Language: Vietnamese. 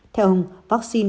theo ông vaccine vaccine